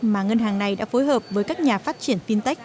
mà ngân hàng này đã phối hợp với các nhà phát triển fintech